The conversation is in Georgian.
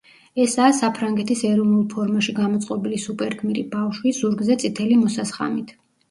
ესაა საფრანგეთის ეროვნულ ფორმაში გამოწყობილი სუპერგმირი ბავშვი, ზურგზე წითელი მოსასხამით.